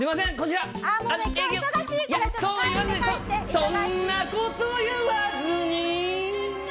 「そんな事言わずに」